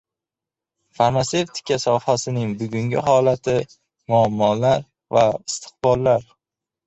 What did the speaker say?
Farmatsevtika sohasining bugungi holati: muammolar va istiqbollar